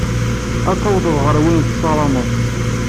Ad tawḍeḍ ɣer wayen tessarameḍ.